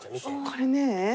これね。